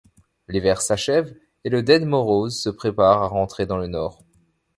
L'hiver s'achève, et le Ded Moroz se prépare à rentrer dans le nord.